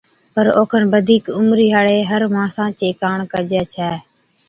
پر اوکن بڌِيڪ عمرِي ھاڙي ھر ماڻسا چي ڪاڻ ڪجَي ڇَي